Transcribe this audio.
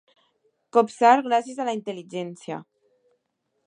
Copsar gràcies a la intel·ligència.